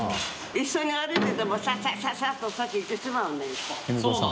一緒に歩いててもサッサッと先行ってしまうねん。